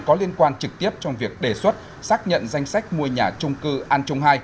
có liên quan trực tiếp trong việc đề xuất xác nhận danh sách mua nhà trung cư an trung hai